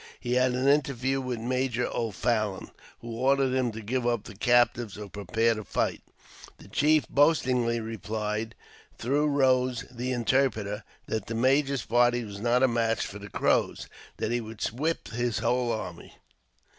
He had an interview with Major O'Fallen, who ordered him to give up the captives or prepare to fight. The chief boastingly replied, through Kose, the interpreter, that the major's party was not a match for the Crows ; that he would whip his whole army.